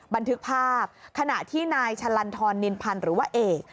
บันทึกภาพขณะที่นายชะลันทรนินพันธ์หรือว่าเอก